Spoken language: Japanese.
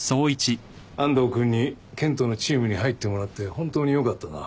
安藤君に健人のチームに入ってもらって本当によかったな。